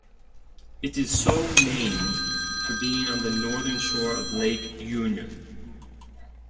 It is so named for being on the northern shore of Lake Union.